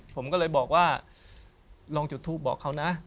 ผมก็เลยบอกว่าลองจุดทูปบอกเขานะ